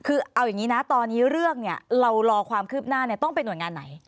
คือเอาอย่างนี้นะตอนนี้เรื่องเนี่ยเรารอความคืบหน้าต้องเป็นหน่วยงานไหน